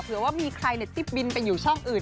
เผื่อว่ามีใครติ๊บบินไปอยู่ช่องอื่น